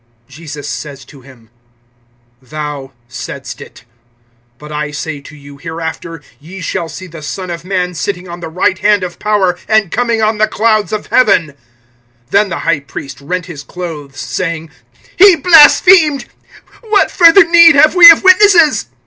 (64)Jesus says to him: Thou saidst it. But I say to you, hereafter ye shall see the Son of man sitting on the right hand of power, and coming on the clouds of heaven. (65)Then the high priest rent his clothes, saying: He blasphemed! What further need have we of witnesses?